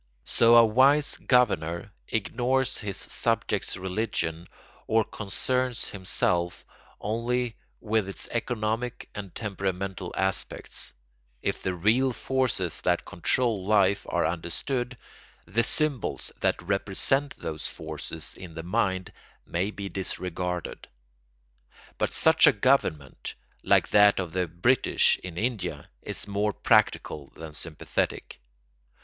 So a wise governor ignores his subjects' religion or concerns himself only with its economic and temperamental aspects; if the real forces that control life are understood, the symbols that represent those forces in the mind may be disregarded. But such a government, like that of the British in India, is more practical than sympathetic.